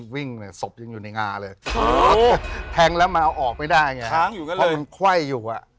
วิ่งสมไปสบยังอยู่ในง่าเลย